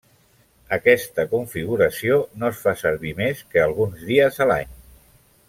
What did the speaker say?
Aquesta configuració no es fa servir més que alguns dies a l'any.